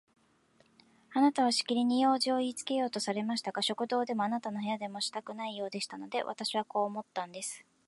あなたはしきりに用事をいいつけようとされましたが、食堂でもあなたの部屋でもしたくないようでしたので、私はこう思ったんです。